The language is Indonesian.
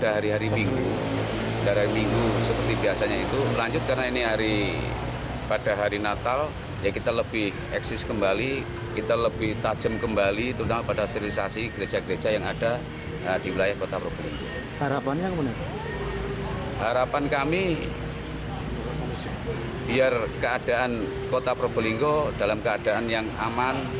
harapan kami biar keadaan kota probolinggo dalam keadaan yang aman